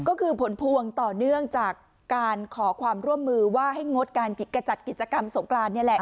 ก็คือผลพวงต่อเนื่องจากการขอความร่วมมือว่าให้งดการจัดกิจกรรมสงกรานนี่แหละ